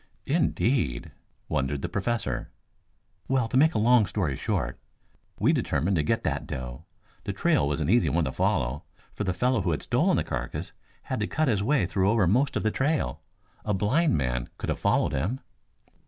"Indeed?" wondered Professor Zepplin. "Well, to make a long story short, we determined to get that doe. The trail was an easy one to follow, for the fellow who had stolen the carcass had to cut his way through over most of the trail. A blind man could have followed him."